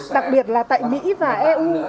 đặc biệt là tại mỹ và eu